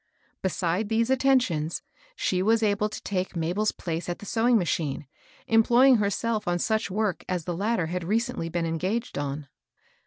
Beside these attentions, she was able to take Mabel's place at the sewing machine, employing herself on such work as the latter had recently been engaged on.